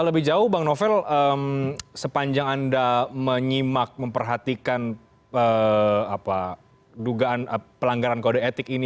lebih jauh bang novel sepanjang anda menyimak memperhatikan dugaan pelanggaran kode etik ini